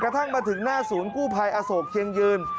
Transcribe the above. ทั้งมาถึงหน้าศูนย์กู้ภัยอโศกเชียงยืน